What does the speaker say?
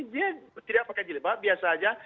dia tidak pakai jilbab biasa saja